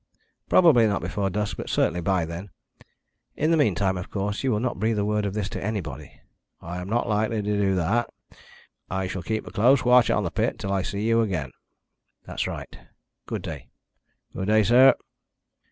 "Probably not before dusk, but certainly by then. In the meantime, of course, you will not breathe a word of this to anybody." "I am not likely to do that. I shall keep a close watch on the pit till I see you again." "That's right. Good day." "Good day, sir."